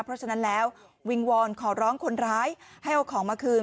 เพราะฉะนั้นแล้ววิงวอนขอร้องคนร้ายให้เอาของมาคืน